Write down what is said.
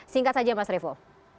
singkat saja mas revo